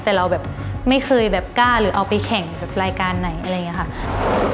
แต่เราแบบไม่เคยแบบกล้าหรือเอาไปแข่งกับรายการไหนอะไรอย่างนี้ค่ะ